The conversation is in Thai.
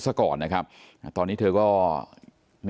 ตลอดทั้งคืนตลอดทั้งคืน